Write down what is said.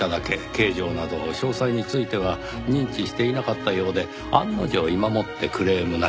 形状など詳細については認知していなかったようで案の定今もってクレームなし。